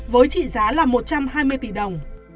với trị giá là một trăm hai mươi tỷ đồng